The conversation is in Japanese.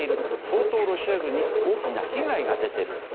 相当ロシア軍に大きな被害が出てる。